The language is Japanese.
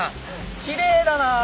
きれいだな。